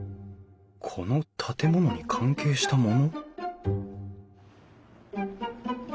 この建物に関係した物？